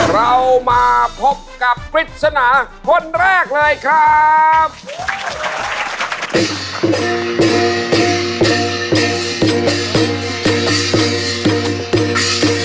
เรามาพบกับปริศนาคนแรกเลยครับ